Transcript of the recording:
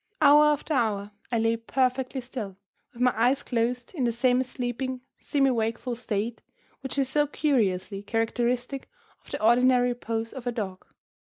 Hour after hour I lay perfectly still, with my eyes closed, in the semi sleeping, semi wakeful state which is so curiously characteristic of the ordinary repose of a dog.